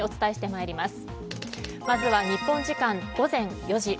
まずは日本時間午前４時。